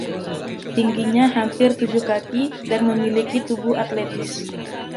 Tingginya hampir tujuh kaki dan memiliki tubuh atletis.